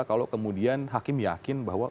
kalau kemudian hakim yakin bahwa